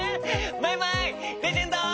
マイマイレジェンド！